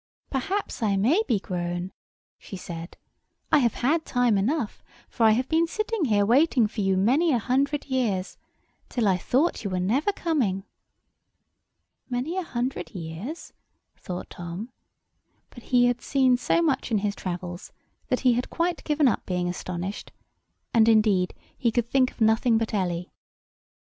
"Perhaps I may be grown," she said. "I have had time enough; for I have been sitting here waiting for you many a hundred years, till I thought you were never coming." "Many a hundred years?" thought Tom; but he had seen so much in his travels that he had quite given up being astonished; and, indeed, he could think of nothing but Ellie.